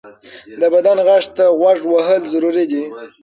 د بدن غږ ته غوږ وهل ضروري دی.